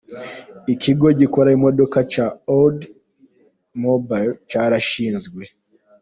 Ikigo gikora imodoka cya Oldsmobile, cyarashinzwe.